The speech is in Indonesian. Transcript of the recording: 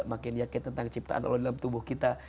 makin yakin tentang ciptaan allah dalam tubuh kita